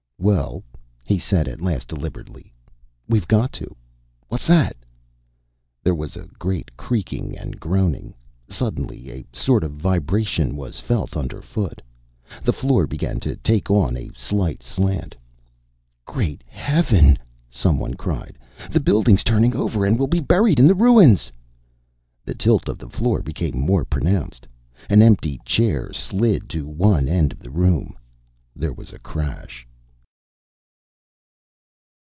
"Well," he said at last deliberately, "we've got to What's that?" There was a great creaking and groaning. Suddenly a sort of vibration was felt under foot. The floor began to take on a slight slant. "Great Heaven!" some one cried. "The building's turning over and we'll be buried in the ruins!" The tilt of the floor became more pronounced. An empty chair slid to one end of the room. There was a crash.